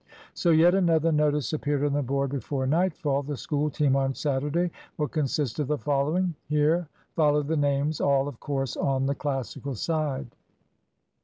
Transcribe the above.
So yet another notice appeared on the board before nightfall. "The School team on Saturday will consist of the following." (Here followed the names, all, of course, on the Classical side.)